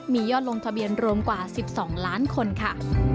มียอดลงทะเบียนรวมกว่า๑๒ล้านคนค่ะ